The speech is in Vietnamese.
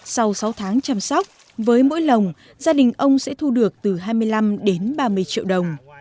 sau sáu tháng chăm sóc với mỗi lồng gia đình ông sẽ thu được từ hai mươi năm đến ba mươi triệu đồng